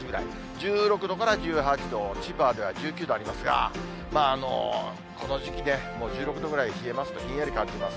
１６度から１８度、千葉では１９度ありますが、この時期で、もう１６度ぐらい冷えますと、ひんやり感じます。